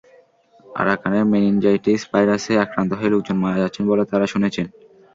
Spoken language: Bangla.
আরাকানে মেনিনজাইটিস ভাইরাসে আক্রান্ত হয়ে লোকজন মারা যাচ্ছেন বলে তাঁরা শুনেছেন।